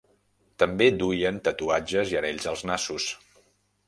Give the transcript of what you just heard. També duien tatuatges i anells als nassos.